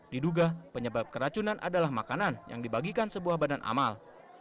diduga penyebab keracunan adalah makanan yang dibagikan sebuah badan amal